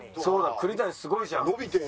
栗谷すごいじゃん。